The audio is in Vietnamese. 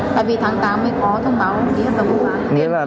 tại vì tháng tám mới có thông báo ký thỏa thuận bán